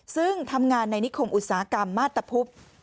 ซึ่งทำงานในนิคมอุตสาหกรรมมาตรพุ